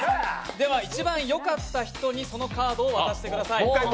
では一番よかった人にそのカードを渡してください。